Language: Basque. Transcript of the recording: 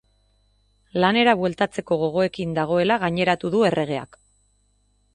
Lanera bueltatzeko gogoekin dagoela gaineratu du erregeak.